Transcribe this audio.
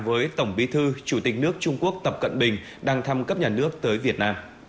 chào mừng tổng bí thư chủ tịch nước trung quốc tập cận bình phu nhân bành lệ viên